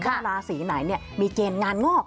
เมื่อเวลาสีไหนมีเกณฑ์งานงอก